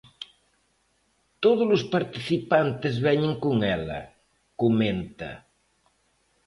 Todos os participantes veñen con ela, comenta.